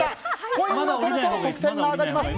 コインをとると得点が上がります。